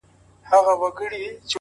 نو زنده گي څه كوي’